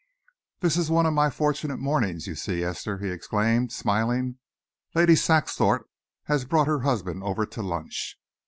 "This is one of my fortunate mornings, you see, Esther!" he exclaimed, smiling. "Lady Saxthorpe has brought her husband over to lunch.